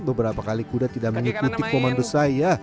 beberapa kali kuda tidak mengikuti komando saya